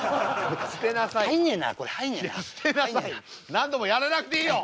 何度もやらなくていいの！